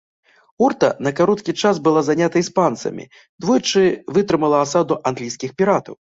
Орта на кароткі час была занята іспанцамі, двойчы вытрымала асаду англійскіх піратаў.